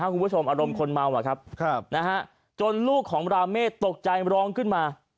คุณผู้ชมอารมณ์คนเมาอะครับจนลูกของราเมฆตกใจร้องขึ้นมา